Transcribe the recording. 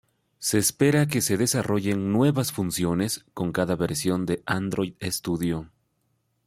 Se espera que se desarrollen nuevas funciones con cada versión de Android Studio.